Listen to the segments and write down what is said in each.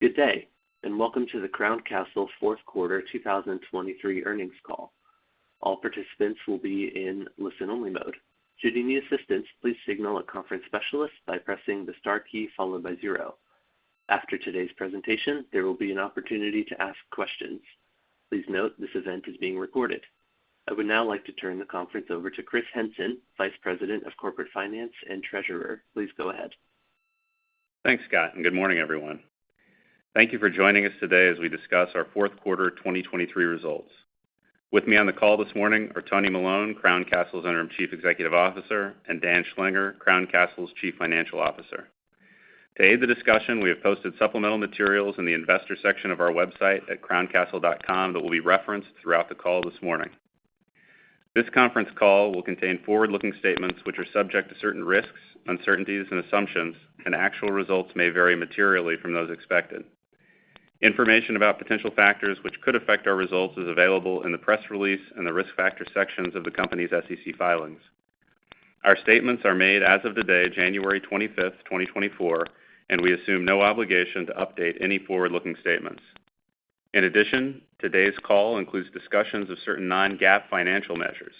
Good day, and welcome to the Crown Castle Fourth Quarter 2023 earnings call. All participants will be in listen-only mode. Should you need assistance, please signal a conference specialist by pressing the star key followed by zero. After today's presentation, there will be an opportunity to ask questions. Please note, this event is being recorded. I would now like to turn the conference over to Kris Hinson, Vice President of Corporate Finance and Treasurer. Please go ahead. Thanks, Scott, and good morning, everyone. Thank you for joining us today as we discuss our fourth quarter 2023 results. With me on the call this morning are Tony Melone, Crown Castle's Interim Chief Executive Officer, and Dan Schlanger, Crown Castle's Chief Financial Officer. To aid the discussion, we have posted supplemental materials in the investor section of our website at crowncastle.com that will be referenced throughout the call this morning. This conference call will contain forward-looking statements, which are subject to certain risks, uncertainties, and assumptions, and actual results may vary materially from those expected. Information about potential factors, which could affect our results, is available in the press release and the risk factor sections of the company's SEC filings. Our statements are made as of today, January 25th, 2024, and we assume no obligation to update any forward-looking statements. In addition, today's call includes discussions of certain non-GAAP financial measures.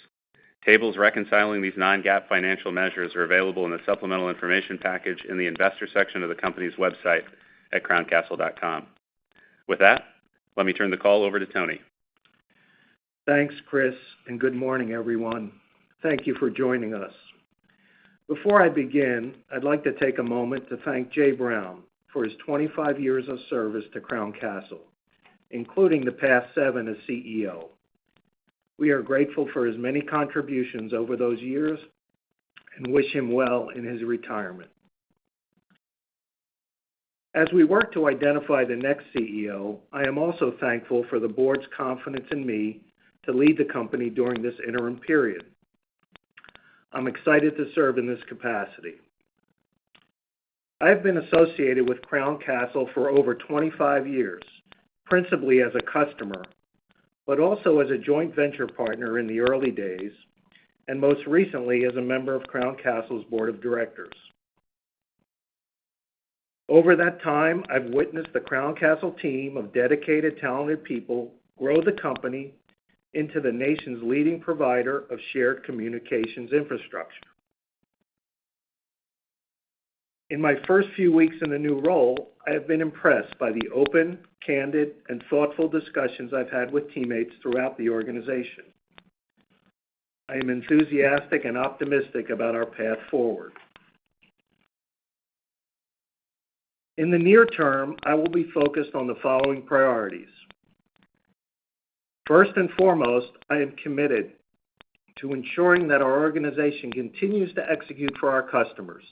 Tables reconciling these non-GAAP financial measures are available in the supplemental information package in the Investor section of the company's website at crowncastle.com. With that, let me turn the call over to Tony. Thanks, Kris, and good morning, everyone. Thank you for joining us. Before I begin, I'd like to take a moment to thank Jay Brown for his 25 years of service to Crown Castle, including the past seven as CEO. We are grateful for his many contributions over those years and wish him well in his retirement. As we work to identify the next CEO, I am also thankful for the board's confidence in me to lead the company during this interim period. I'm excited to serve in this capacity. I have been associated with Crown Castle for over 25 years, principally as a customer, but also as a joint venture partner in the early days, and most recently as a member of Crown Castle's Board of Directors. Over that time, I've witnessed the Crown Castle team of dedicated, talented people grow the company into the nation's leading provider of shared communications infrastructure. In my first few weeks in the new role, I have been impressed by the open, candid, and thoughtful discussions I've had with teammates throughout the organization. I am enthusiastic and optimistic about our path forward. In the near term, I will be focused on the following priorities. First and foremost, I am committed to ensuring that our organization continues to execute for our customers,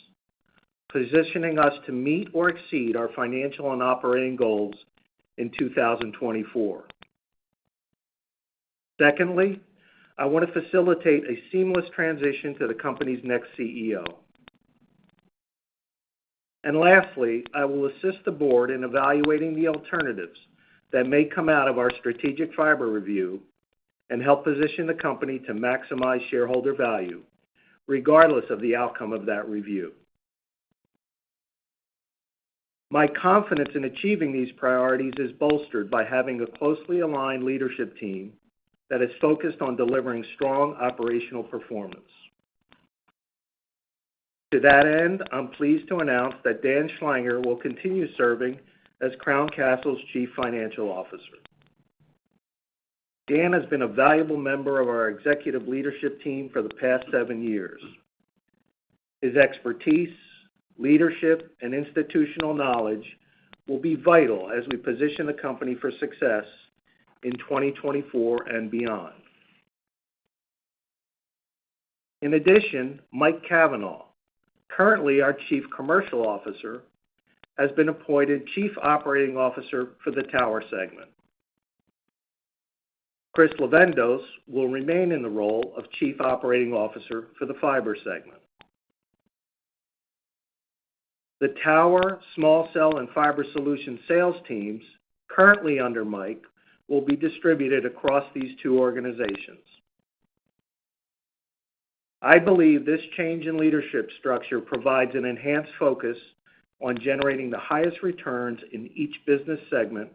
positioning us to meet or exceed our financial and operating goals in 2024. Secondly, I want to facilitate a seamless transition to the company's next CEO. Lastly, I will assist the board in evaluating the alternatives that may come out of our strategic fiber review and help position the company to maximize shareholder value, regardless of the outcome of that review. My confidence in achieving these priorities is bolstered by having a closely aligned leadership team that is focused on delivering strong operational performance. To that end, I'm pleased to announce that Dan Schlanger will continue serving as Crown Castle's Chief Financial Officer. Dan has been a valuable member of our executive leadership team for the past seven years. His expertise, leadership, and institutional knowledge will be vital as we position the company for success in 2024 and beyond. In addition, Mike Kavanagh, currently our Chief Commercial Officer, has been appointed Chief Operating Officer for the Tower segment. Kris Levendos will remain in the role of Chief Operating Officer for the Fiber segment. The tower, small cell, and fiber solution sales teams, currently under Mike, will be distributed across these two organizations. I believe this change in leadership structure provides an enhanced focus on generating the highest returns in each business segment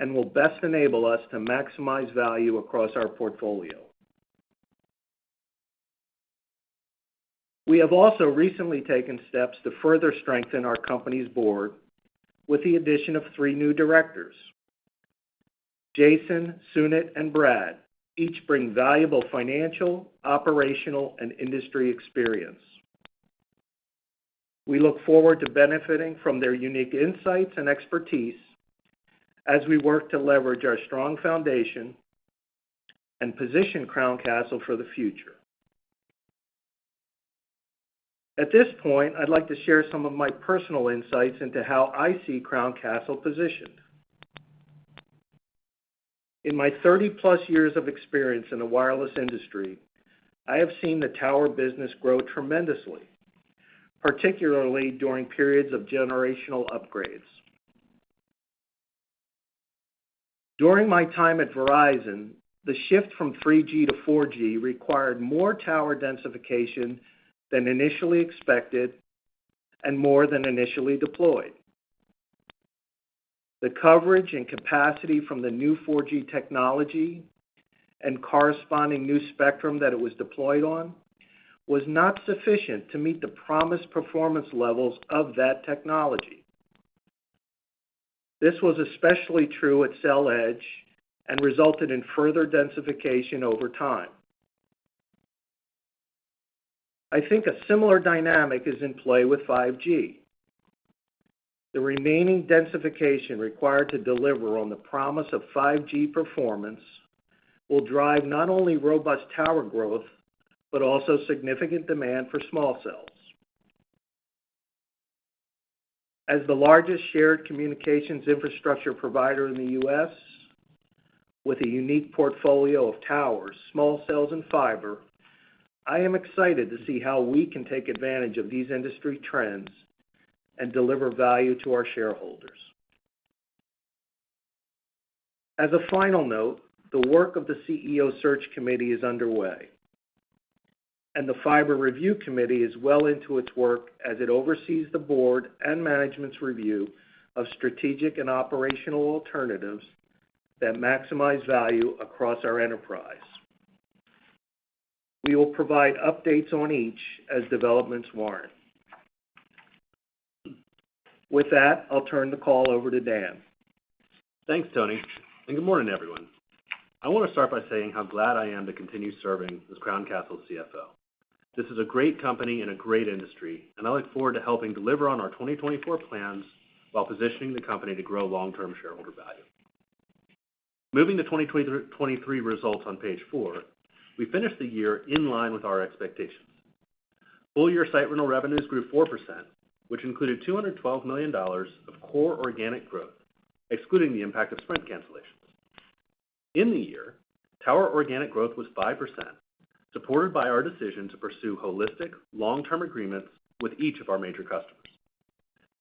and will best enable us to maximize value across our portfolio. We have also recently taken steps to further strengthen our company's board with the addition of three new directors. Jason, Sunit, and Brad each bring valuable financial, operational, and industry experience. We look forward to benefiting from their unique insights and expertise as we work to leverage our strong foundation and position Crown Castle for the future. At this point, I'd like to share some of my personal insights into how I see Crown Castle positioned. In my 30+ years of experience in the wireless industry, I have seen the tower business grow tremendously, particularly during periods of generational upgrades. During my time at Verizon, the shift from 3G to 4G required more tower densification than initially expected and more than initially deployed. The coverage and capacity from the new 4G technology and corresponding new spectrum that it was deployed on was not sufficient to meet the promised performance levels of that technology. This was especially true at cell edge and resulted in further densification over time. I think a similar dynamic is in play with 5G. The remaining densification required to deliver on the promise of 5G performance will drive not only robust tower growth, but also significant demand for small cells. As the largest shared communications infrastructure provider in the U.S., with a unique portfolio of towers, small cells, and fiber, I am excited to see how we can take advantage of these industry trends and deliver value to our shareholders. As a final note, the work of the CEO search committee is underway, and the fiber review committee is well into its work as it oversees the board and management's review of strategic and operational alternatives that maximize value across our enterprise. We will provide updates on each as developments warrant. With that, I'll turn the call over to Dan. Thanks, Tony, and good morning, everyone. I want to start by saying how glad I am to continue serving as Crown Castle CFO. This is a great company and a great industry, and I look forward to helping deliver on our 2024 plans while positioning the company to grow long-term shareholder value. Moving to 2023 results on page four, we finished the year in line with our expectations. Full year site rental revenues grew 4%, which included $212 million of core organic growth, excluding the impact of Sprint cancellations. In the year, tower organic growth was 5%, supported by our decision to pursue holistic, long-term agreements with each of our major customers.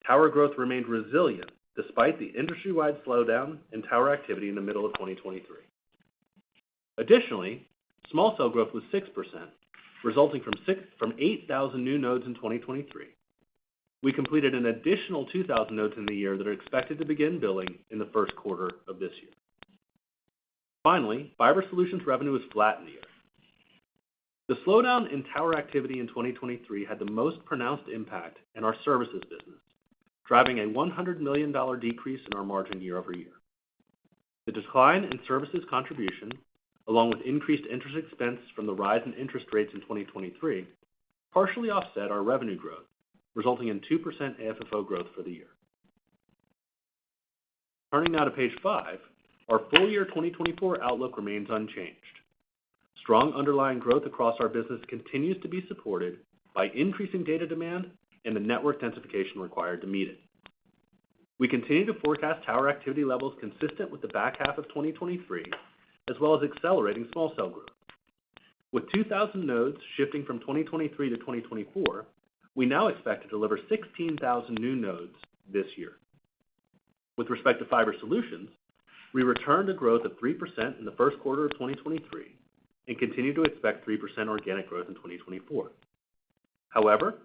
Tower growth remained resilient despite the industry-wide slowdown in tower activity in the middle of 2023. Additionally, small cell growth was 6%, resulting from 8,000 new nodes in 2023. We completed an additional 2,000 nodes in the year that are expected to begin billing in the first quarter of this year. Finally, fiber solutions revenue is flat in the year. The slowdown in tower activity in 2023 had the most pronounced impact in our services business, driving a $100 million decrease in our margin year-over-year. The decline in services contribution, along with increased interest expense from the rise in interest rates in 2023, partially offset our revenue growth, resulting in 2% AFFO growth for the year. Turning now to page five, our full year 2024 outlook remains unchanged. Strong underlying growth across our business continues to be supported by increasing data demand and the network densification required to meet it. We continue to forecast tower activity levels consistent with the back half of 2023, as well as accelerating small cell growth. With 2,000 nodes shifting from 2023 to 2024, we now expect to deliver 16,000 new nodes this year. With respect to fiber solutions, we returned to growth of 3% in the first quarter of 2023 and continue to expect 3% organic growth in 2024. However,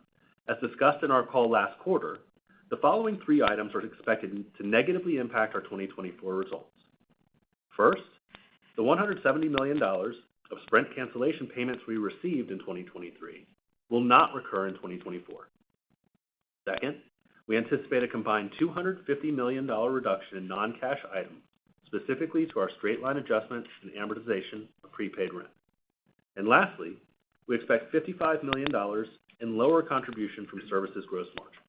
as discussed in our call last quarter, the following three items are expected to negatively impact our 2024 results. First, the $170 million of Sprint cancellation payments we received in 2023 will not recur in 2024. Second, we anticipate a combined $250 million dollar reduction in non-cash items, specifically to our straight-line adjustments and amortization of prepaid rent. Lastly, we expect $55 million in lower contribution from services gross margin.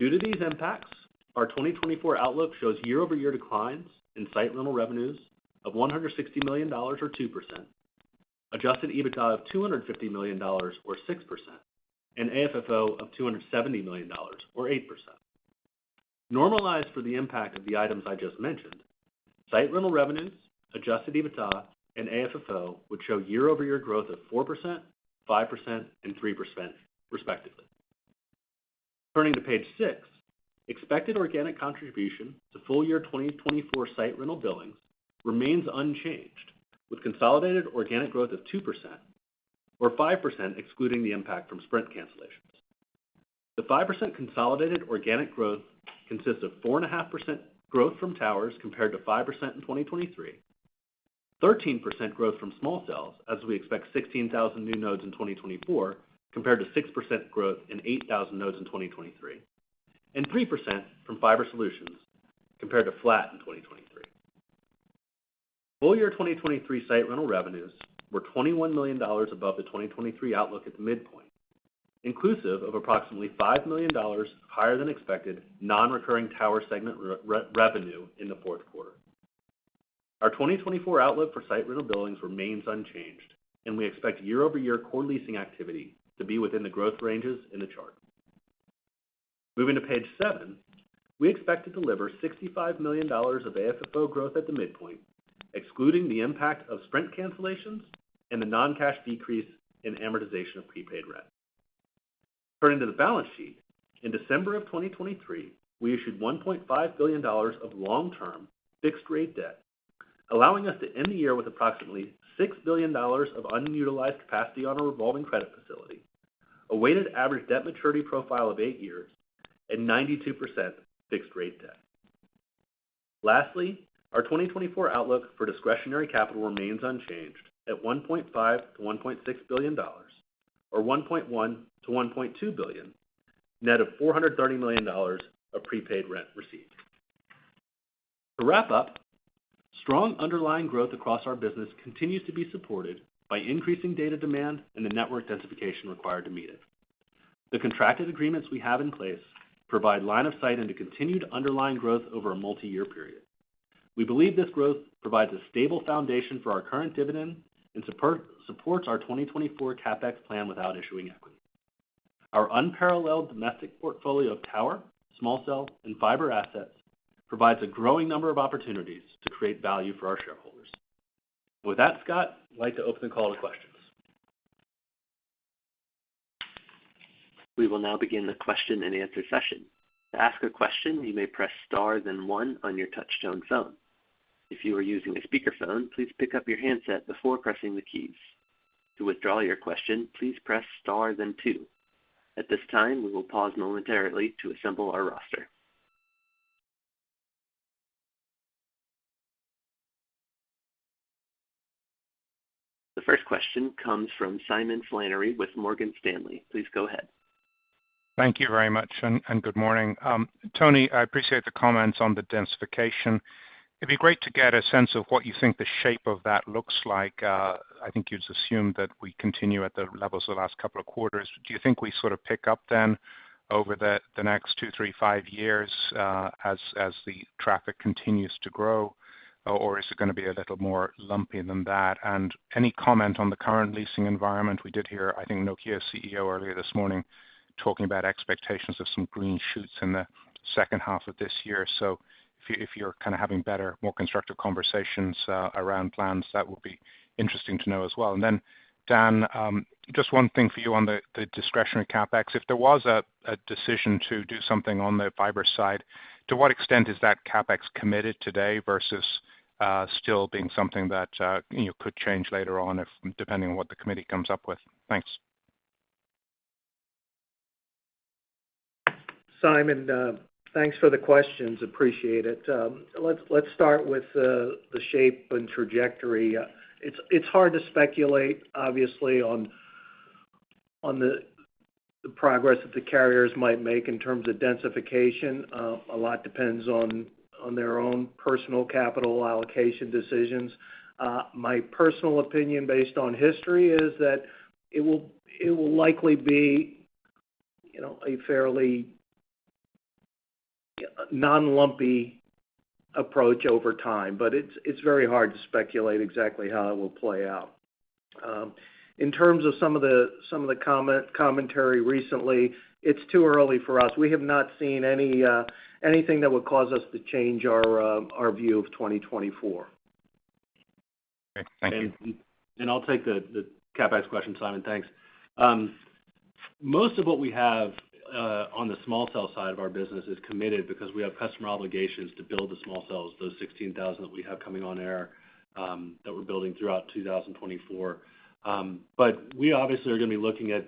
Due to these impacts, our 2024 outlook shows year-over-year declines in site rental revenues of $160 million, or 2%, adjusted EBITDA of $250 million, or 6%, and AFFO of $270 million, or 8%. Normalized for the impact of the items I just mentioned, site rental revenues, adjusted EBITDA and AFFO would show year-over-year growth of 4%, 5%, and 3%, respectively. Turning to page six, expected organic contribution to full year 2024 site rental billings remains unchanged, with consolidated organic growth of 2% or 5%, excluding the impact from Sprint cancellations. The 5% consolidated organic growth consists of 4.5% growth from towers compared to 5% in 2023, 13% growth from small cells, as we expect 16,000 new nodes in 2024, compared to 6% growth in 8,000 nodes in 2023, and 3% from fiber solutions compared to flat in 2023. Full year 2023 site rental revenues were $21 million above the 2023 outlook at the midpoint, inclusive of approximately $5 million higher than expected, non-recurring tower segment revenue in the fourth quarter. Our 2024 outlook for site rental billings remains unchanged, and we expect year-over-year core leasing activity to be within the growth ranges in the chart. Moving to page seven. We expect to deliver $65 million of AFFO growth at the midpoint, excluding the impact of Sprint cancellations and the non-cash decrease in amortization of prepaid rent. Turning to the balance sheet, in December of 2023, we issued $1.5 billion of long-term fixed-rate debt, allowing us to end the year with approximately $6 billion of unutilized capacity on a revolving credit facility, a weighted average debt maturity profile of eight years and 92% fixed rate debt. Lastly, our 2024 outlook for discretionary capital remains unchanged at $1.5 to $1.6 billion, or $1.1 to $1.2 billion, net of $430 million of prepaid rent received. To wrap up, strong underlying growth across our business continues to be supported by increasing data demand and the network densification required to meet it. The contracted agreements we have in place provide line of sight into continued underlying growth over a multi-year period. We believe this growth provides a stable foundation for our current dividend and support, supports our 2024 CapEx plan without issuing equity. Our unparalleled domestic portfolio of tower, small cell, and fiber assets provides a growing number of opportunities to create value for our shareholders. With that, Scott, I'd like to open the call to questions. We will now begin the question and answer session. To ask a question, you may press star then one on your touchtone phone. If you are using a speakerphone, please pick up your handset before pressing the keys. To withdraw your question, please press star then two. At this time, we will pause momentarily to assemble our roster. The first question comes from Simon Flannery with Morgan Stanley. Please go ahead. Thank you very much, and good morning. Tony, I appreciate the comments on the densification. It'd be great to get a sense of what you think the shape of that looks like. I think you'd assume that we continue at the levels of the last couple of quarters. Do you think we sort of pick up then over the next two, three, five years as the traffic continues to grow, or is it gonna be a little more lumpy than that? And any comment on the current leasing environment? We did hear, I think, Nokia CEO earlier this morning talking about expectations of some green shoots in the second half of this year. So if you're kinda having better, more constructive conversations around plans, that would be interesting to know as well. And then, Dan, just one thing for you on the discretionary CapEx. If there was a decision to do something on the fiber side, to what extent is that CapEx committed today versus still being something that you could change later on, if depending on what the committee comes up with? Thanks. Simon, thanks for the questions. Appreciate it. Let's start with the shape and trajectory. It's hard to speculate, obviously, on the progress that the carriers might make in terms of densification. A lot depends on their own personal capital allocation decisions. My personal opinion, based on history, is that it will likely be, you know, a fairly non-lumpy approach over time, but it's very hard to speculate exactly how it will play out. In terms of some of the commentary recently, it's too early for us. We have not seen any anything that would cause us to change our view of 2024. Great. Thank you. I'll take the CapEx question, Simon. Thanks. Most of what we have on the small cell side of our business is committed because we have customer obligations to build the small cells, those 16,000 that we have coming on air that we're building throughout 2024. But we obviously are gonna be looking at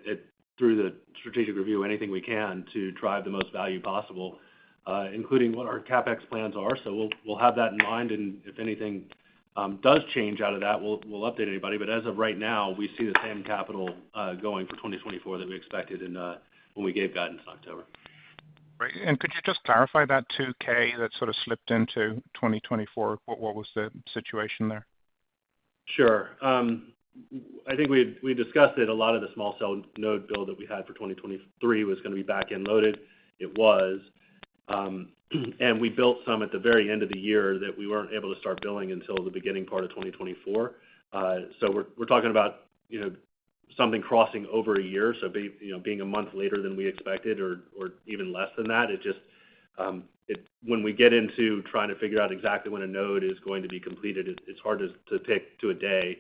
through the strategic review, anything we can to drive the most value possible, including what our CapEx plans are. So we'll have that in mind, and if anything does change out of that, we'll update anybody. But as of right now, we see the same capital going for 2024 that we expected and when we gave that in October. Great. And could you just clarify that 2k that sort of slipped into 2024? What, what was the situation there? Sure. I think we discussed it. A lot of the small cell node build that we had for 2023 was gonna be back-end loaded. It was. And we built some at the very end of the year that we weren't able to start billing until the beginning part of 2024. So we're talking about, you know, something crossing over a year. So you know, being a month later than we expected or even less than that. It just, when we get into trying to figure out exactly when a node is going to be completed, it's hard to pick to a day.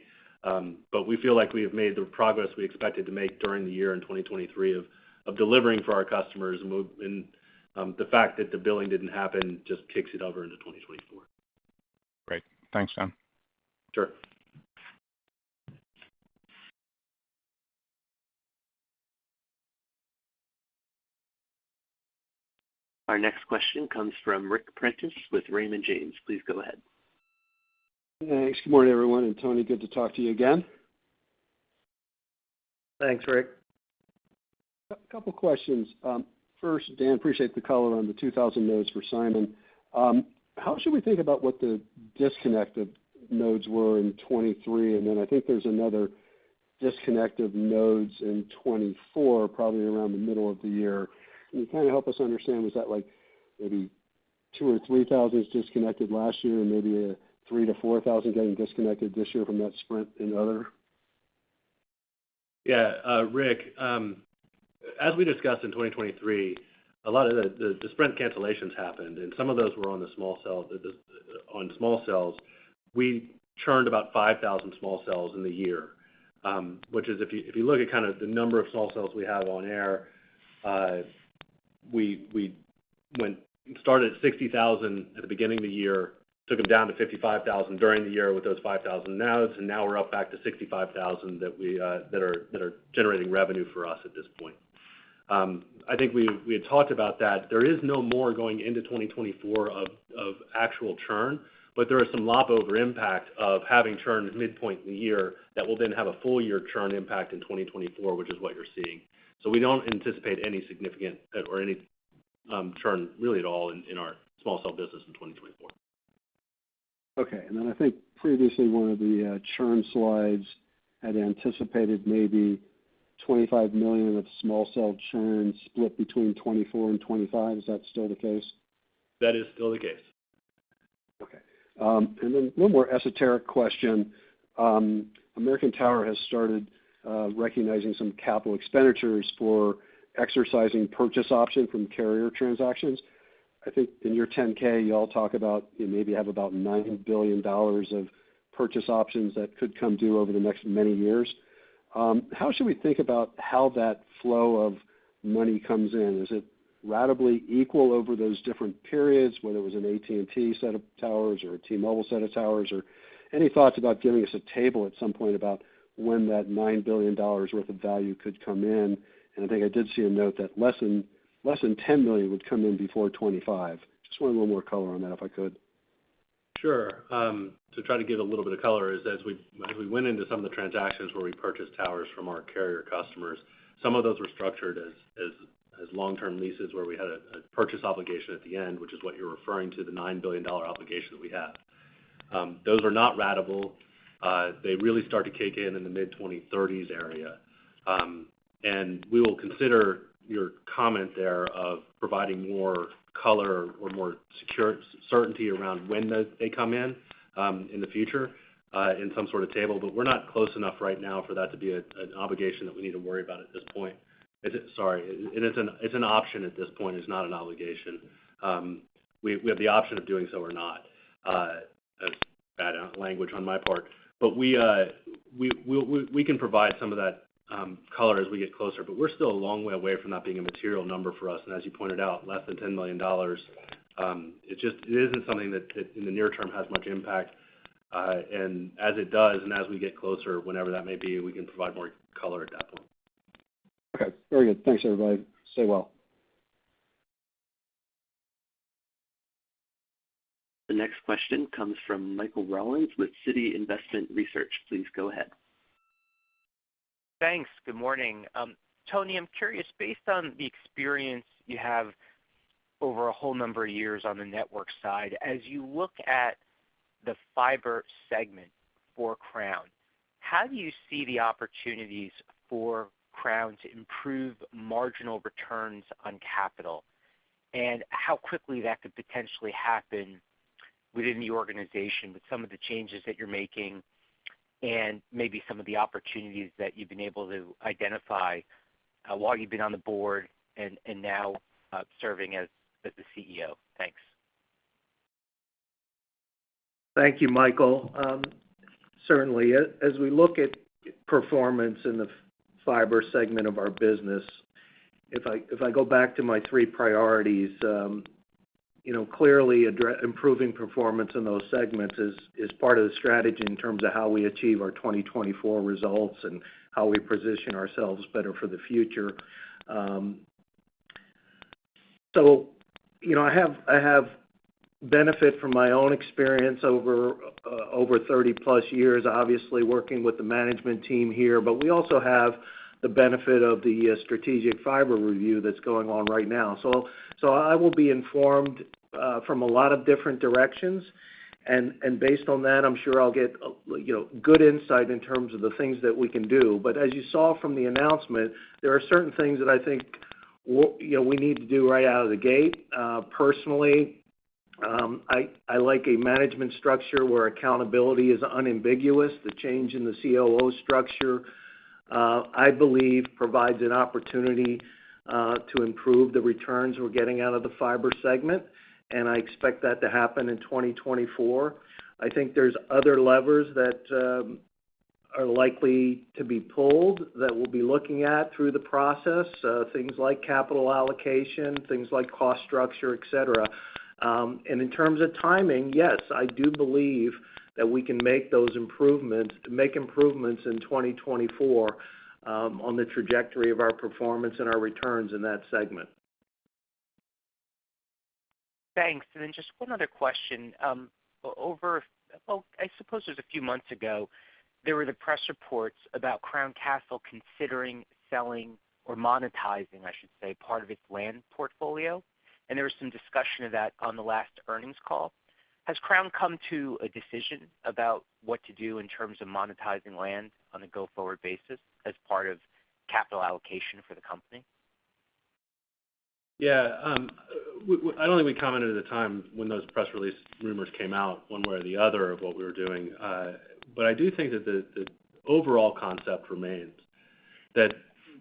But we feel like we have made the progress we expected to make during the year in 2023 of delivering for our customers. And the fact that the billing didn't happen just kicks it over into 2024. Great. Thanks, Dan. Sure. Our next question comes from Ric Prentiss with Raymond James. Please go ahead. Thanks. Good morning, everyone, and Tony, good to talk to you again. Thanks, Ric. A couple questions. First, Dan, appreciate the color on the 2,000 nodes for Simon. How should we think about what the disconnected nodes were in 2023? And then I think there's another disconnect of nodes in 2024, probably around the middle of the year. Can you kinda help us understand, was that like maybe 2,000 or 3,000 disconnected last year and maybe a 3,000 to 4,000 getting disconnected this year from that Sprint and other? Yeah. Rick, as we discussed in 2023, a lot of the Sprint cancellations happened, and some of those were on the small cell, on small cells, we churned about 5,000 small cells in the year. Which is, if you look at kind of the number of small cells we have on air, we started at 60,000 at the beginning of the year, took them down to 55,000 during the year with those 5,000 out, and now we're up back to 65,000 that we that are generating revenue for us at this point. I think we had talked about that. There is no more going into 2024 of actual churn, but there are some rollover impact of having churned midpoint in the year that will then have a full year churn impact in 2024, which is what you're seeing. So we don't anticipate any significant or any churn really at all in our small cell business in 2024. Okay. Then I think previously, one of the churn slides had anticipated maybe $25 million of small cell churn split between 2024 and 2025. Is that still the case? That is still the case. Okay. And then one more esoteric question. American Tower has started recognizing some capital expenditures for exercising purchase option from carrier transactions. I think in your Form 10-K, you all talk about, you maybe have about $9 billion of purchase options that could come due over the next many years. How should we think about how that flow of money comes in? Is it ratably equal over those different periods, whether it was an AT&T set of towers or a T-Mobile set of towers, or any thoughts about giving us a table at some point about when that $9 billion worth of value could come in? And I think I did see a note that less than $10 million would come in before 2025. Just wanted a little more color on that, if I could. Sure. To try to give a little bit of color, as we went into some of the transactions where we purchased towers from our carrier customers, some of those were structured as long-term leases, where we had a purchase obligation at the end, which is what you're referring to, the $9 billion obligation that we have. Those are not ratable. They really start to kick in, in the mid-2030s area. And we will consider your comment there of providing more color or more certainty around when those they come in, in the future, in some sort of table. But we're not close enough right now for that to be an obligation that we need to worry about at this point. Is it... Sorry, it's an option at this point, it's not an obligation. We have the option of doing so or not. That's bad language on my part. But we can provide some of that color as we get closer, but we're still a long way away from that being a material number for us. And as you pointed out, less than $10 million, it just isn't something that in the near term has much impact. And as it does, and as we get closer, whenever that may be, we can provide more color at that point. Okay, very good. Thanks, everybody. Stay well. The next question comes from Michael Rollins with Citi Investment Research. Please go ahead. Thanks. Good morning. Tony, I'm curious, based on the experience you have over a whole number of years on the network side, as you look at the fiber segment for Crown, how do you see the opportunities for Crown to improve marginal returns on capital? And how quickly that could potentially happen within the organization with some of the changes that you're making, and maybe some of the opportunities that you've been able to identify, while you've been on the board and now serving as the CEO. Thanks. Thank you, Michael. Certainly, as we look at performance in the fiber segment of our business, if I go back to my three priorities, you know, clearly improving performance in those segments is part of the strategy in terms of how we achieve our 2024 results and how we position ourselves better for the future. So you know, I have benefit from my own experience over 30+ years, obviously working with the management team here, but we also have the benefit of the strategic fiber review that's going on right now. So I will be informed from a lot of different directions. And based on that, I'm sure I'll get a you know, good insight in terms of the things that we can do. But as you saw from the announcement, there are certain things that I think we'll, you know, we need to do right out of the gate. Personally, I like a management structure where accountability is unambiguous. The change in the COO structure, I believe, provides an opportunity to improve the returns we're getting out of the fiber segment, and I expect that to happen in 2024. I think there's other levers that are likely to be pulled that we'll be looking at through the process, things like capital allocation, things like cost structure, et cetera. In terms of timing, yes, I do believe that we can make those improvements in 2024 on the trajectory of our performance and our returns in that segment. Thanks. And then just one other question. Well, I suppose it was a few months ago, there were the press reports about Crown Castle considering selling or monetizing, I should say, part of its land portfolio, and there was some discussion of that on the last earnings call. Has Crown come to a decision about what to do in terms of monetizing land on a go-forward basis as part of capital allocation for the company? Yeah, I don't think we commented at the time when those press release rumors came out one way or the other of what we were doing. But I do think that the overall concept remains that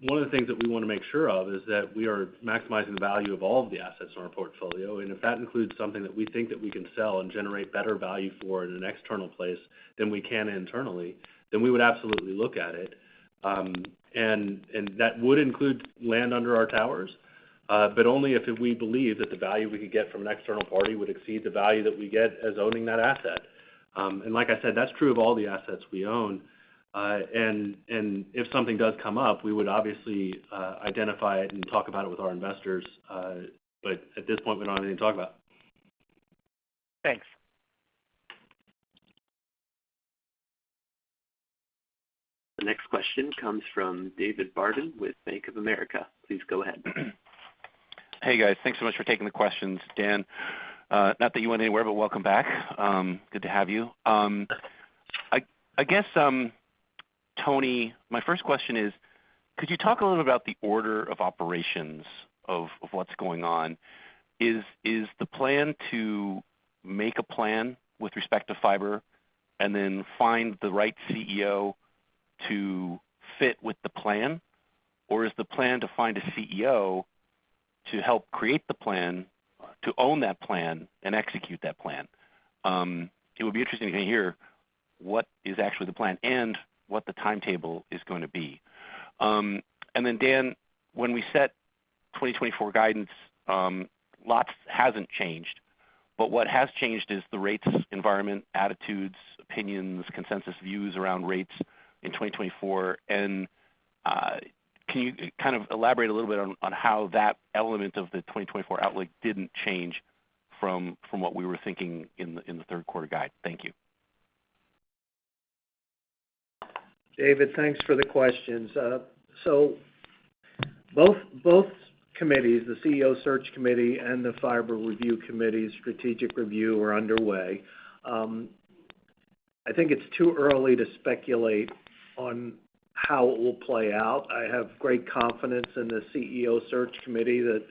one of the things that we wanna make sure of is that we are maximizing the value of all of the assets in our portfolio. And if that includes something that we think that we can sell and generate better value for in an external place than we can internally, then we would absolutely look at it. And that would include land under our towers, but only if we believe that the value we could get from an external party would exceed the value that we get as owning that asset. And like I said, that's true of all the assets we own. And if something does come up, we would obviously identify it and talk about it with our investors. But at this point, we don't have anything to talk about. Thanks. The next question comes from David Barden with Bank of America. Please go ahead. Hey, guys. Thanks so much for taking the questions. Dan, not that you went anywhere, but welcome back. Good to have you. I guess, Tony, my first question is, could you talk a little about the order of operations of what's going on? Is the plan to make a plan with respect to fiber and then find the right CEO to fit with the plan? Or is the plan to find a CEO to help create the plan, to own that plan and execute that plan? It would be interesting to hear what is actually the plan and what the timetable is going to be. And then, Dan, when we set 2024 guidance, lots hasn't changed, but what has changed is the rates, environment, attitudes, opinions, consensus, views around rates in 2024. Can you kind of elaborate a little bit on how that element of the 2024 outlook didn't change from what we were thinking in the third quarter guide? Thank you. David, thanks for the questions. So both, both committees, the CEO Search Committee and the Fiber Review Committee's strategic review are underway. I think it's too early to speculate on how it will play out. I have great confidence in the CEO Search Committee that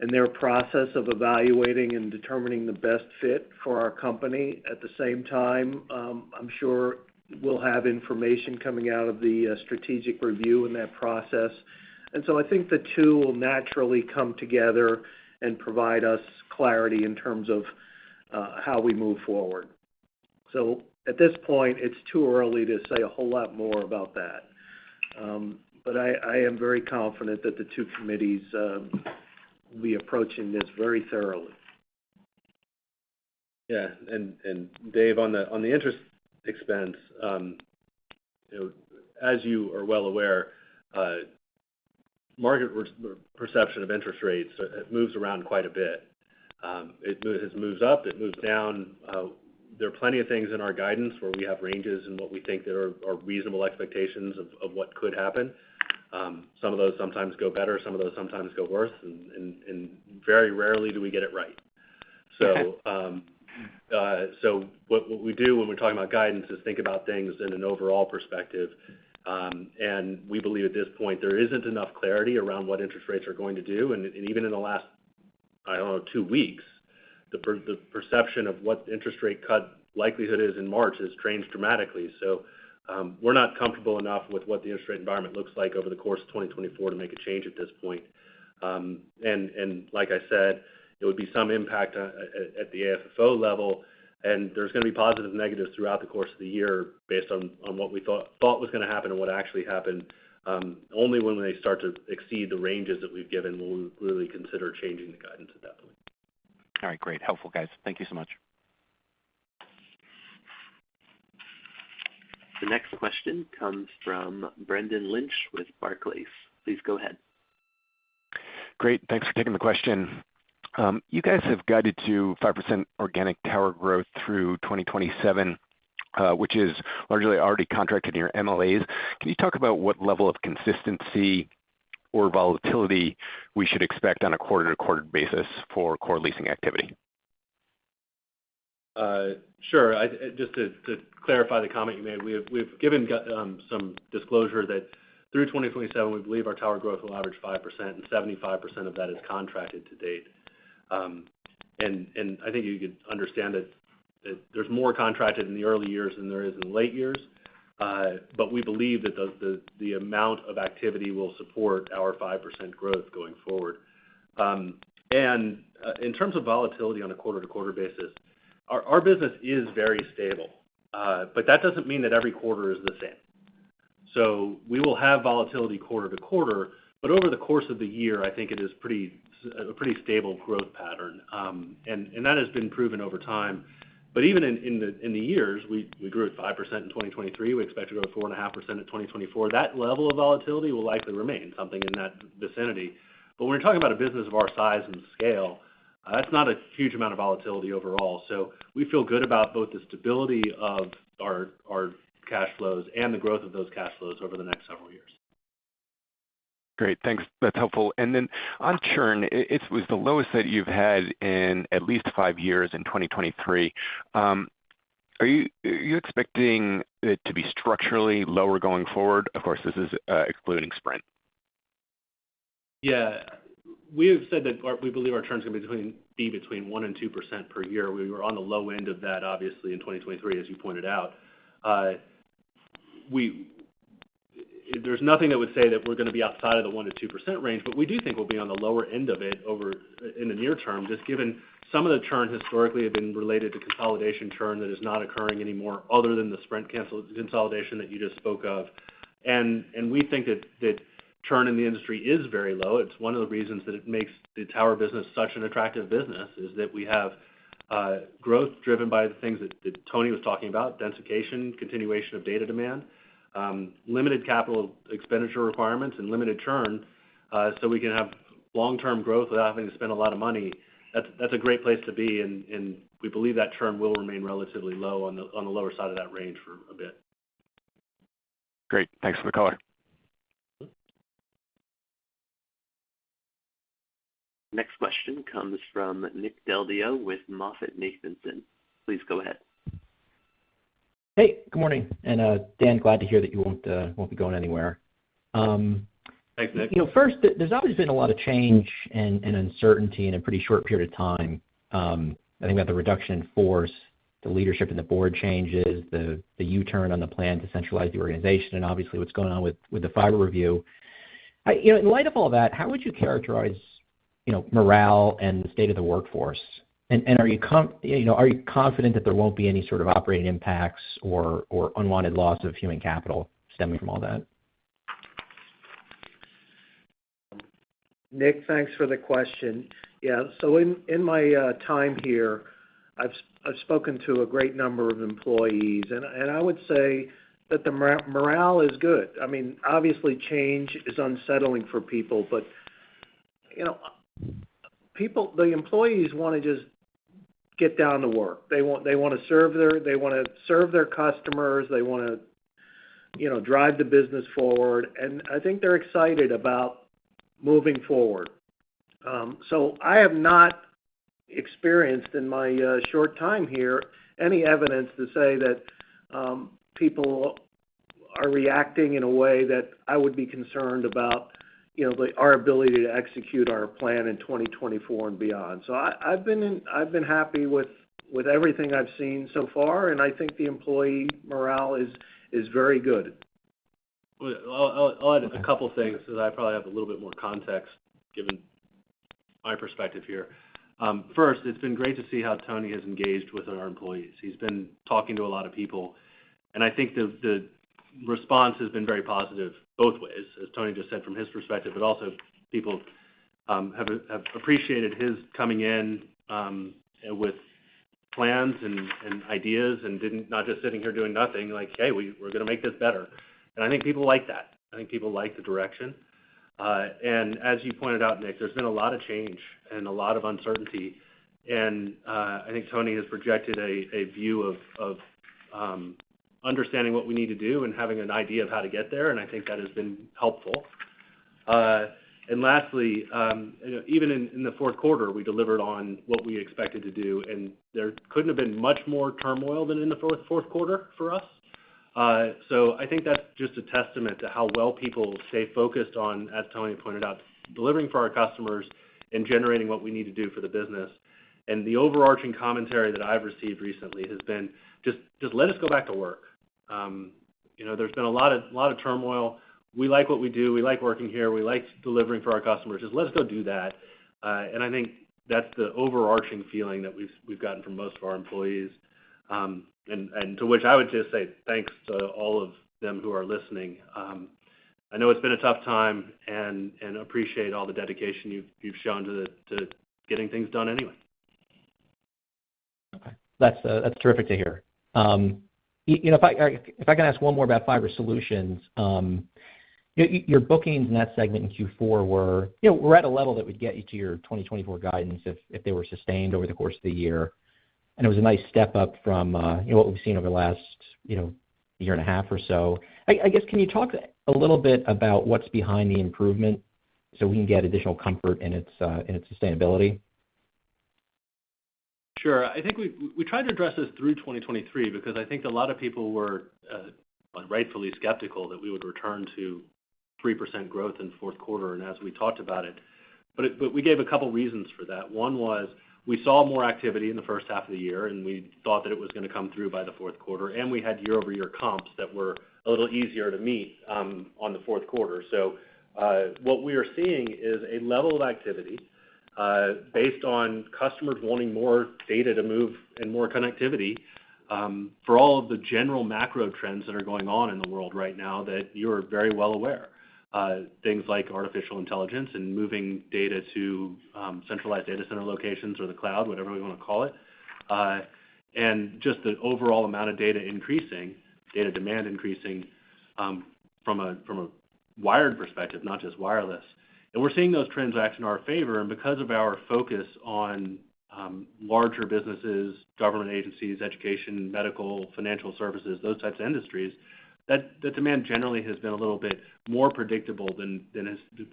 in their process of evaluating and determining the best fit for our company. At the same time, I'm sure we'll have information coming out of the strategic review in that process. And so I think the two will naturally come together and provide us clarity in terms of how we move forward. So at this point, it's too early to say a whole lot more about that. But I am very confident that the two committees will be approaching this very thoroughly. Yeah, and, and Dave, on the, on the interest expense, you know, as you are well aware, market perception of interest rates, it moves around quite a bit. It moves up, it moves down. There are plenty of things in our guidance where we have ranges and what we think that are reasonable expectations of what could happen. Some of those sometimes go better, some of those sometimes go worse, and, and, and very rarely do we get it right. Okay. What we do when we're talking about guidance is think about things in an overall perspective. We believe at this point, there isn't enough clarity around what interest rates are going to do. Even in the last, I don't know, two weeks, the perception of what interest rate cut likelihood is in March has changed dramatically. We're not comfortable enough with what the interest rate environment looks like over the course of 2024 to make a change at this point. Like I said, there would be some impact at the AFFO level, and there's gonna be positives and negatives throughout the course of the year based on what we thought was gonna happen and what actually happened. Only when they start to exceed the ranges that we've given will we really consider changing the guidance at that point. All right, great. Helpful, guys. Thank you so much. The next question comes from Brendan Lynch with Barclays. Please go ahead. Great. Thanks for taking the question. You guys have guided to 5% organic tower growth through 2027, which is largely already contracted in your MLAs. Can you talk about what level of consistency or volatility we should expect on a quarter-to-quarter basis for core leasing activity? Sure. Just to clarify the comment you made, we've given some disclosure that through 2027, we believe our tower growth will average 5%, and 75% of that is contracted to date. And I think you could understand that there's more contracted in the early years than there is in late years, but we believe that the amount of activity will support our 5% growth going forward. And in terms of volatility on a quarter-to-quarter basis, our business is very stable, but that doesn't mean that every quarter is the same. So we will have volatility quarter to quarter, but over the course of the year, I think it is a pretty stable growth pattern. And that has been proven over time. But even in the years we grew at 5% in 2023. We expect to grow at 4.5% in 2024. That level of volatility will likely remain, something in that vicinity. But when you're talking about a business of our size and scale, that's not a huge amount of volatility overall. So we feel good about both the stability of our cash flows and the growth of those cash flows over the next several years. Great. Thanks. That's helpful. And then on churn, it was the lowest that you've had in at least five years in 2023. Are you expecting it to be structurally lower going forward? Of course, this is excluding Sprint.... Yeah, we have said that our, we believe our churn is gonna be between 1% and 2% per year. We were on the low end of that, obviously, in 2023, as you pointed out. There's nothing that would say that we're gonna be outside of the 1%-2% range, but we do think we'll be on the lower end of it over in the near term, just given some of the churn historically have been related to consolidation churn that is not occurring anymore, other than the Sprint cancel consolidation that you just spoke of. We think that churn in the industry is very low. It's one of the reasons that it makes the tower business such an attractive business, is that we have growth driven by the things that, that Tony was talking about: densification, continuation of data demand, limited capital expenditure requirements and limited churn. So we can have long-term growth without having to spend a lot of money. That's, that's a great place to be, and, and we believe that churn will remain relatively low on the, on the lower side of that range for a bit. Great. Thanks for the color. Next question comes from Nick Del Deo with MoffettNathanson. Please go ahead. Hey, good morning. Dan, glad to hear that you won't be going anywhere. Thanks, Nick. You know, first, there, there's obviously been a lot of change and, and uncertainty in a pretty short period of time. I think about the reduction in force, the leadership and the board changes, the, the U-turn on the plan to centralize the organization, and obviously, what's going on with, with the fiber review. You know, in light of all that, how would you characterize, you know, morale and the state of the workforce? And, and are you com-- you know, are you confident that there won't be any sort of operating impacts or, or unwanted loss of human capital stemming from all that? Nick, thanks for the question. Yeah, so in my time here, I've spoken to a great number of employees, and I would say that the morale is good. I mean, obviously, change is unsettling for people, but, you know, people, the employees wanna just get down to work. They want, they wanna serve their, they wanna serve their customers, they wanna, you know, drive the business forward, and I think they're excited about moving forward. So I have not experienced, in my short time here, any evidence to say that people are reacting in a way that I would be concerned about, you know, the, our ability to execute our plan in 2024 and beyond. So I, I've been happy with, with everything I've seen so far, and I think the employee morale is, is very good. Well, I'll add a couple things, because I probably have a little bit more context, given my perspective here. First, it's been great to see how Tony has engaged with our employees. He's been talking to a lot of people, and I think the response has been very positive both ways, as Tony just said from his perspective, but also people have appreciated his coming in with plans and ideas and didn't not just sitting here doing nothing, like, "Hey, we're gonna make this better." I think people like that. I think people like the direction. And as you pointed out, Nick, there's been a lot of change and a lot of uncertainty, and I think Tony has projected a view of understanding what we need to do and having an idea of how to get there, and I think that has been helpful. And lastly, you know, even in the fourth quarter, we delivered on what we expected to do, and there couldn't have been much more turmoil than in the fourth quarter for us. So I think that's just a testament to how well people stay focused on, as Tony pointed out, delivering for our customers and generating what we need to do for the business. And the overarching commentary that I've received recently has been: Just let us go back to work. You know, there's been a lot of turmoil. We like what we do, we like working here, we like delivering for our customers. Just let us go do that. And I think that's the overarching feeling that we've gotten from most of our employees, and to which I would just say thanks to all of them who are listening. I know it's been a tough time and appreciate all the dedication you've shown to getting things done anyway. Okay. That's terrific to hear. You know, if I can ask one more about fiber solutions. Your bookings in that segment in Q4 were, you know, were at a level that would get you to your 2024 guidance if they were sustained over the course of the year. And it was a nice step up from, you know, what we've seen over the last, you know, year and a half or so. I guess, can you talk a little bit about what's behind the improvement so we can get additional comfort in its sustainability? Sure. I think we tried to address this through 2023 because I think a lot of people were rightfully skeptical that we would return to 3% growth in fourth quarter, and as we talked about it. But we gave a couple reasons for that. One was we saw more activity in the first half of the year, and we thought that it was gonna come through by the fourth quarter, and we had year-over-year comps that were a little easier to meet on the fourth quarter. So, what we are seeing is a level of activity based on customers wanting more data to move and more connectivity for all of the general macro trends that are going on in the world right now, that you're very well aware. Things like artificial intelligence and moving data to centralized data center locations or the cloud, whatever we wanna call it. And just the overall amount of data increasing, data demand increasing, from a wired perspective, not just wireless. And we're seeing those trends act in our favor, and because of our focus on larger businesses, government agencies, education, medical, financial services, those types of industries, that the demand generally has been a little bit more predictable than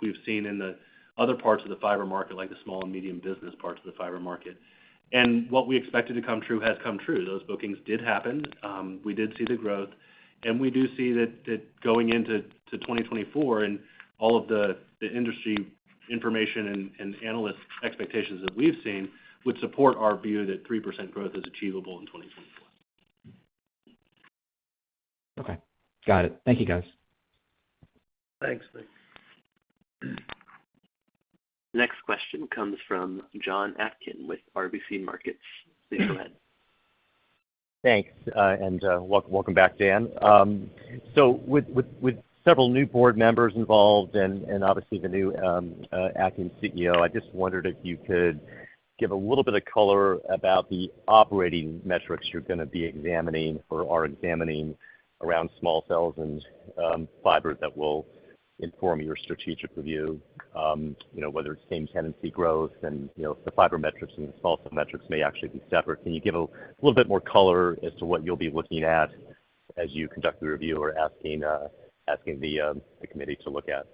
we've seen in the other parts of the fiber market, like the small and medium business parts of the fiber market. And what we expected to come true has come true. Those bookings did happen. We did see the growth, and we do see that going into 2024 and all of the industry information and analyst expectations that we've seen would support our view that 3% growth is achievable in 2024.... Okay, got it. Thank you, guys. Thanks, Nick. Next question comes from Jonathan Atkin with RBC Capital Markets. Please go ahead. Thanks, and welcome back, Dan. So with several new board members involved and obviously the new acting CEO, I just wondered if you could give a little bit of color about the operating metrics you're going to be examining or are examining around small cells and fiber that will inform your strategic review. You know, whether it's same tenancy growth and, you know, the fiber metrics and the small cell metrics may actually be separate. Can you give a little bit more color as to what you'll be looking at as you conduct the review or asking the committee to look at?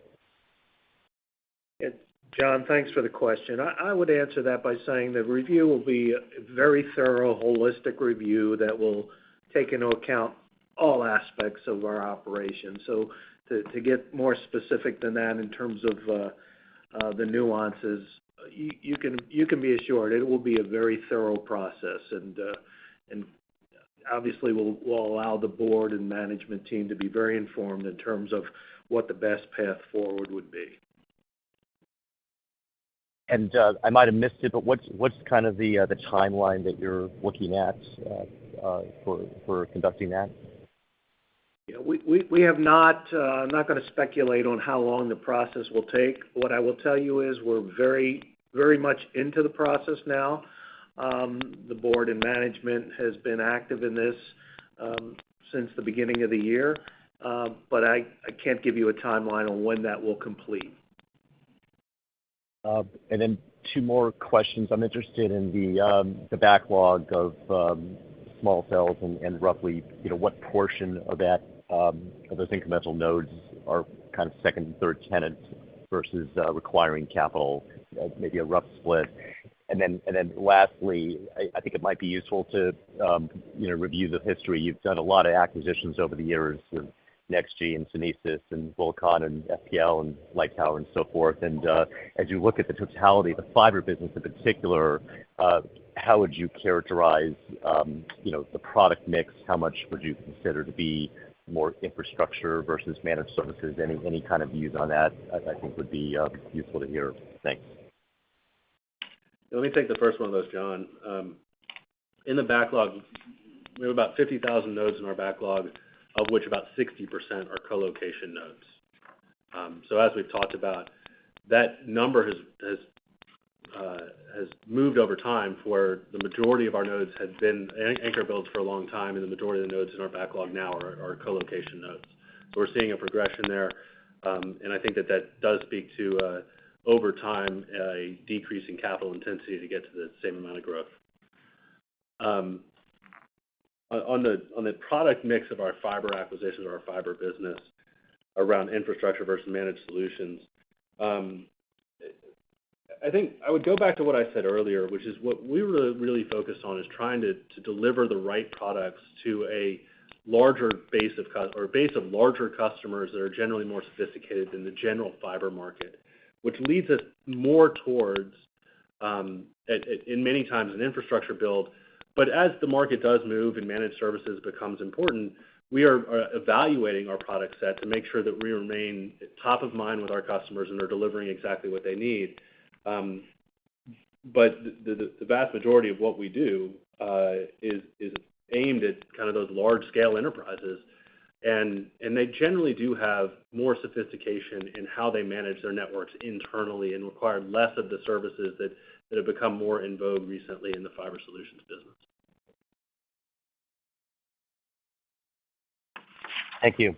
John, thanks for the question. I would answer that by saying the review will be a very thorough, holistic review that will take into account all aspects of our operations. So to get more specific than that in terms of the nuances, you can be assured it will be a very thorough process, and obviously, we'll allow the board and management team to be very informed in terms of what the best path forward would be. I might have missed it, but what's kind of the timeline that you're looking at for conducting that? Yeah, we have not. I'm not going to speculate on how long the process will take. What I will tell you is we're very, very much into the process now. The board and management has been active in this since the beginning of the year. But I can't give you a timeline on when that will complete. And then two more questions. I'm interested in the, the backlog of small cells and roughly, you know, what portion of that, of those incremental nodes are kind of second and third tenants versus requiring capital, maybe a rough split. And then lastly, I think it might be useful to, you know, review the history. You've done a lot of acquisitions over the years with NextG and Sunesys and Wilcon and FPL and Lightower and so forth. And as you look at the totality of the fiber business in particular, how would you characterize, you know, the product mix? How much would you consider to be more infrastructure versus managed services? Any kind of views on that, I think, would be useful to hear. Thanks. Let me take the first one of those, John. In the backlog, we have about 50,000 nodes in our backlog, of which about 60% are colocation nodes. So as we've talked about, that number has moved over time, where the majority of our nodes had been anchor builds for a long time, and the majority of the nodes in our backlog now are colocation nodes. So we're seeing a progression there, and I think that does speak to, over time, a decrease in capital intensity to get to the same amount of growth. On the product mix of our fiber acquisitions or our fiber business around infrastructure versus managed solutions, I think I would go back to what I said earlier, which is what we're really focused on is trying to deliver the right products to a larger base of customers or a base of larger customers that are generally more sophisticated than the general fiber market, which leads us more towards an infrastructure build in many times. But as the market does move and managed services becomes important, we are evaluating our product set to make sure that we remain top of mind with our customers and are delivering exactly what they need. But the vast majority of what we do is aimed at kind of those large-scale enterprises, and they generally do have more sophistication in how they manage their networks internally and require less of the services that have become more in vogue recently in the fiber solutions business. Thank you.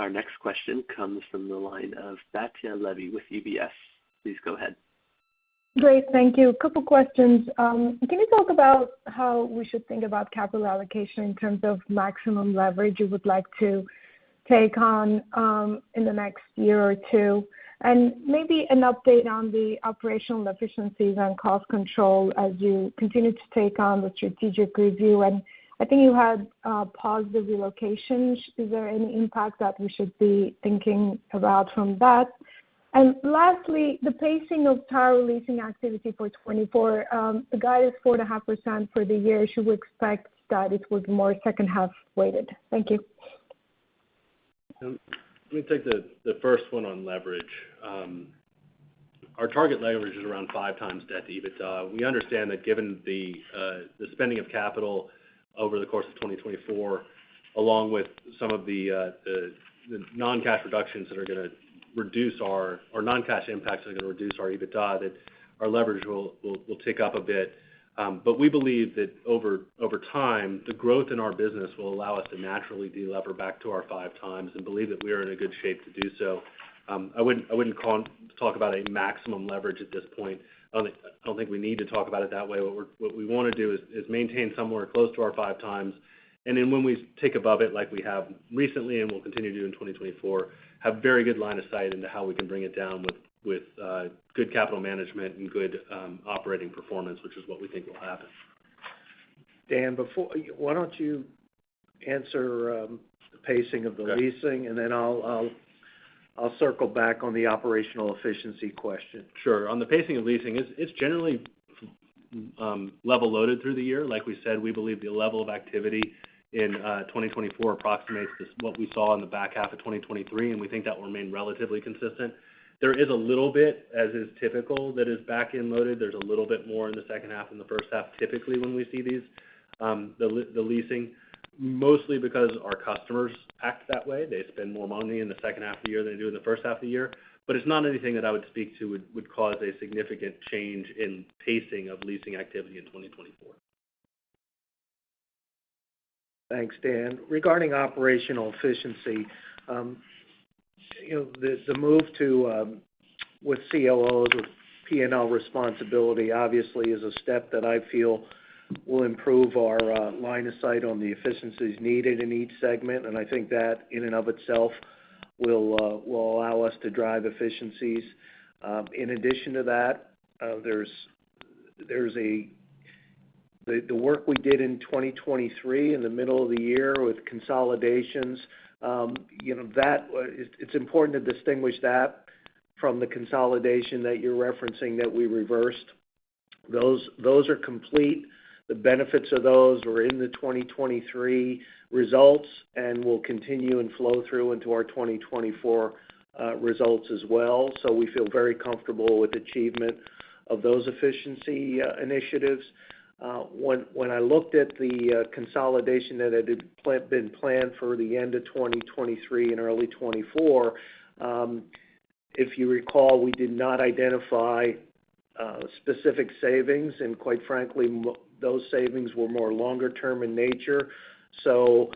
Our next question comes from the line of Batya Levi with UBS. Please go ahead. Great, thank you. A couple questions. Can you talk about how we should think about capital allocation in terms of maximum leverage you would like to take on in the next year or two? And maybe an update on the operational efficiencies and cost control as you continue to take on the strategic review. And I think you had paused the relocations. Is there any impact that we should be thinking about from that? And lastly, the pacing of tower leasing activity for 2024, the guide is 4.5% for the year. Should we expect that it was more second half weighted? Thank you. Let me take the first one on leverage. Our target leverage is around five times debt to EBITDA. We understand that given the spending of capital over the course of 2024, along with some of the non-cash reductions that are gonna reduce our or non-cash impacts that are going to reduce our EBITDA, that our leverage will tick up a bit. But we believe that over time, the growth in our business will allow us to naturally de-lever back to our five times and believe that we are in a good shape to do so. I wouldn't talk about a maximum leverage at this point. I don't think we need to talk about it that way. What we want to do is maintain somewhere close to our five times, and then when we tick above it, like we have recently and will continue to do in 2024, have very good line of sight into how we can bring it down with good capital management and good operating performance, which is what we think will happen. Dan, why don't you answer the pacing of the leasing, and then I'll circle back on the operational efficiency question. Sure. On the pacing of leasing, it's generally level-loaded through the year. Like we said, we believe the level of activity in 2024 approximates this, what we saw in the back half of 2023, and we think that will remain relatively consistent. There is a little bit, as is typical, that is back-end loaded. There's a little bit more in the second half than the first half, typically, when we see these, the leasing, mostly because our customers act that way. They spend more money in the second half of the year than they do in the first half of the year. But it's not anything that I would speak to would cause a significant change in pacing of leasing activity in 2024. Thanks, Dan. Regarding operational efficiency, you know, the move to with COOs, with P&L responsibility, obviously, is a step that I feel will improve our line of sight on the efficiencies needed in each segment, and I think that, in and of itself, will allow us to drive efficiencies. In addition to that, the work we did in 2023, in the middle of the year with consolidations, you know, that... It's important to distinguish that from the consolidation that you're referencing, that we reversed. Those are complete. The benefits of those were in the 2023 results and will continue and flow through into our 2024 results as well. So we feel very comfortable with achievement of those efficiency initiatives. When I looked at the consolidation that had been planned for the end of 2023 and early 2024, if you recall, we did not identify specific savings, and quite frankly, those savings were more longer term in nature. So,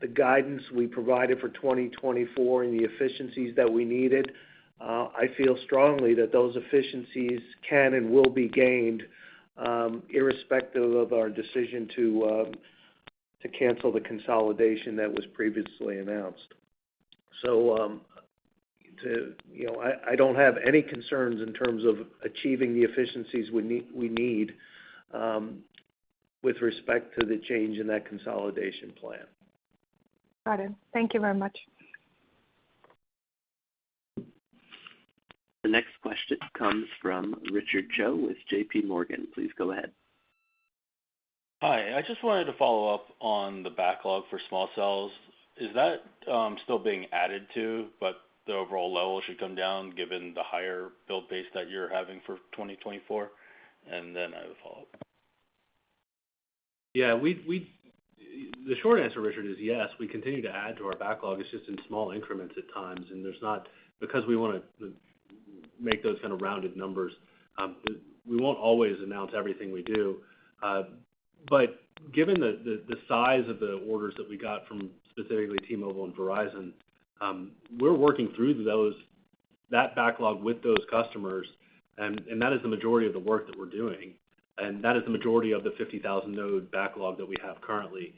the guidance we provided for 2024 and the efficiencies that we needed, I feel strongly that those efficiencies can and will be gained, irrespective of our decision to cancel the consolidation that was previously announced. So, you know, I don't have any concerns in terms of achieving the efficiencies we need, we need, with respect to the change in that consolidation plan. Got it. Thank you very much. The next question comes from Richard Choe with J.P. Morgan. Please go ahead. Hi, I just wanted to follow up on the backlog for small cells. Is that still being added to, but the overall level should come down, given the higher build base that you're having for 2024? And then I have a follow-up. Yeah, we... The short answer, Richard, is yes. We continue to add to our backlog. It's just in small increments at times, and there's not because we wanna make those kind of rounded numbers, we won't always announce everything we do. But given the size of the orders that we got from specifically T-Mobile and Verizon, we're working through those that backlog with those customers, and that is the majority of the work that we're doing, and that is the majority of the 50,000 node backlog that we have currently.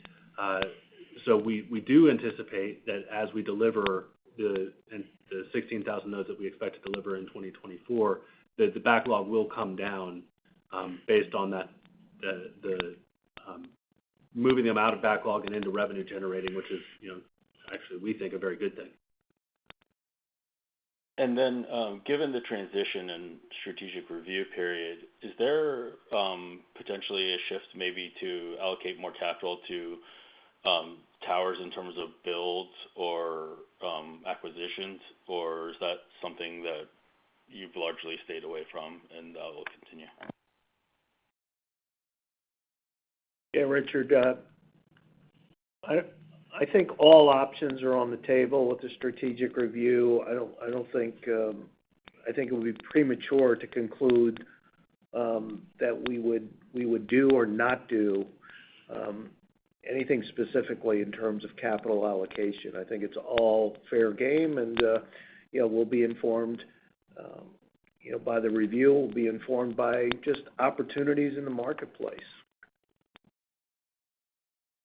We do anticipate that as we deliver the 16,000 nodes that we expect to deliver in 2024, that the backlog will come down, based on that, moving them out of backlog and into revenue generating, which is, you know, actually, we think, a very good thing. Given the transition and strategic review period, is there potentially a shift maybe to allocate more capital to towers in terms of builds or acquisitions? Or is that something that you've largely stayed away from, and will continue? Yeah, Richard, I think all options are on the table with the strategic review. I don't think it would be premature to conclude that we would do or not do anything specifically in terms of capital allocation. I think it's all fair game, and you know, we'll be informed by the review, we'll be informed by just opportunities in the marketplace.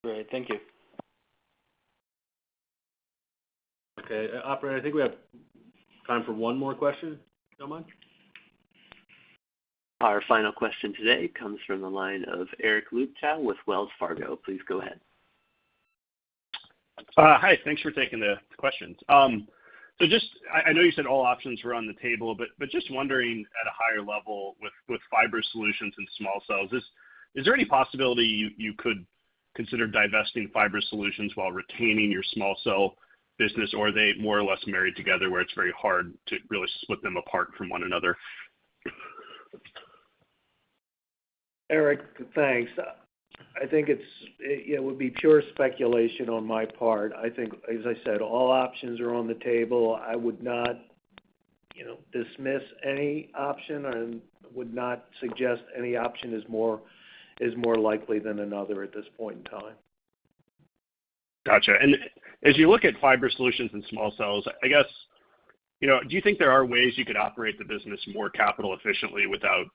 Great. Thank you. Okay, operator, I think we have time for one more question, so much? Our final question today comes from the line of Eric Luebchow with Wells Fargo. Please go ahead. Hi, thanks for taking the questions. So just—I know you said all options were on the table, but just wondering, at a higher level, with fiber solutions and small cells, is there any possibility you could consider divesting fiber solutions while retaining your small cell business, or are they more or less married together, where it's very hard to really split them apart from one another? Eric, thanks. I think it would be pure speculation on my part. I think, as I said, all options are on the table. I would not, you know, dismiss any option and would not suggest any option is more likely than another at this point in time. Gotcha. As you look at fiber solutions and small cells, I guess, you know, do you think there are ways you could operate the business more capital efficiently without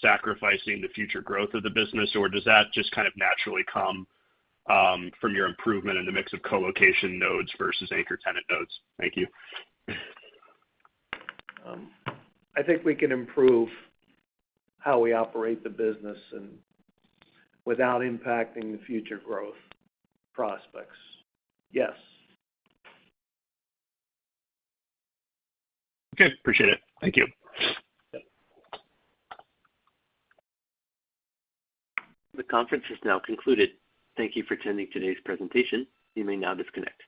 sacrificing the future growth of the business, or does that just kind of naturally come from your improvement in the mix of colocation nodes versus anchor tenant nodes? Thank you. I think we can improve how we operate the business and without impacting the future growth prospects. Yes. Okay, appreciate it. Thank you. Yeah. The conference is now concluded. Thank you for attending today's presentation. You may now disconnect.